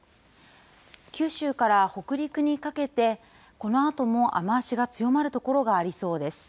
九州から北陸にかけて、このあとも雨足が強まる所がありそうです。